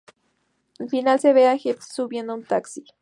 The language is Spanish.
Al final se ve a Jepsen subiendo a un taxi.